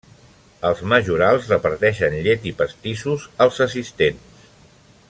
Els majorals reparteixen llet i pastissos als assistents.